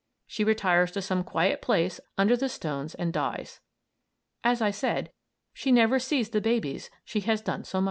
She retires to some quiet place under the stones, and dies. As I said, she never sees the babies she has done so much for.